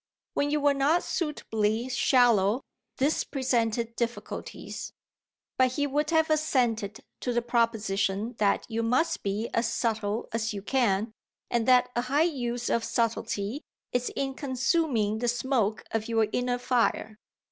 When you were not suitably shallow this presented difficulties; but he would have assented to the proposition that you must be as subtle as you can and that a high use of subtlety is in consuming the smoke of your inner fire.